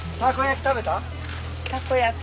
たこ焼き